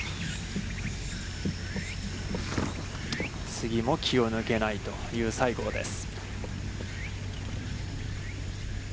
次も気を抜けないという西郷です。